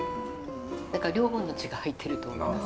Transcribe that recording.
だから両方の血が入ってると思います。